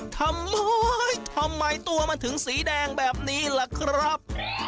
ทำไมทำไมตัวมันถึงสีแดงแบบนี้ล่ะครับ